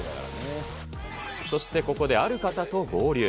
そしてここで、ある方と合流。